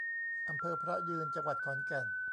อำเภอพระยืน จังหวัดขอนแก่น